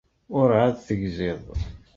Urɛad tegziḍ.